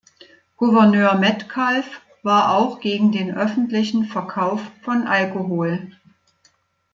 Gouverneur Metcalf war auch gegen den öffentlichen Verkauf von Alkohol.